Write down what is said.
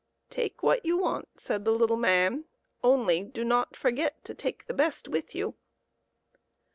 " Take what you want," said the little man, "only do not forget to take the best with you."